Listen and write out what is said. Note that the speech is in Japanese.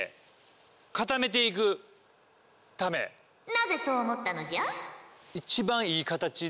なぜそう思ったのじゃ？